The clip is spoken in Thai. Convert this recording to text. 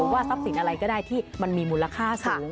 ว่าทรัพย์สินอะไรก็ได้ที่มันมีมูลค่าสูง